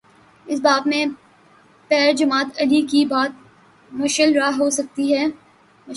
اس باب میں پیر جماعت علی کی بات مشعل راہ ہو سکتی ہے۔